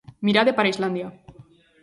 Mirade para Islandia.